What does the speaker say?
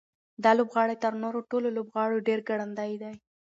دا لوبغاړی تر نورو ټولو لوبغاړو ډېر ګړندی دی.